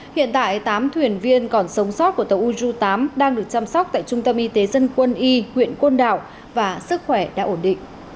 hiện tại tám thuyền viên còn sống sót của tàu uju tám đang được chăm sóc tại trung tâm y tế dân quân y huyện côn đảo và sức khỏe đã ổn định